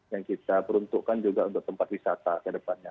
yang kita peruntukkan juga untuk tempat wisata ke depannya